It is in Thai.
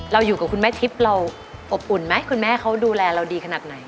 อยู่กับคุณแม่ทิพย์เราอบอุ่นไหมคุณแม่เขาดูแลเราดีขนาดไหน